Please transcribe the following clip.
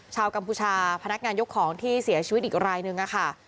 กัมพูชาพนักงานยกของที่เสียชีวิตอีกรายนึงค่ะ